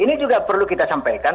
ini juga perlu kita sampaikan